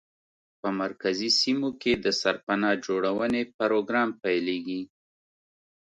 په مرکزي سیمو کې د سرپناه جوړونې پروګرام پیلېږي.